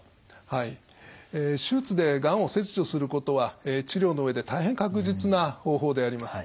はい手術でがんを切除することは治療の上で大変確実な方法であります。